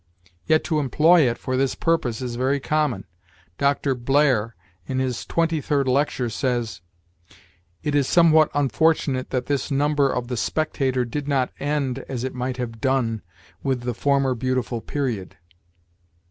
Yet, to employ it for this purpose is very common. Dr. Blair, in his 23d Lecture, says: 'It is somewhat unfortunate that this Number of the "Spectator" did not end, as it might have done, with the former beautiful period.'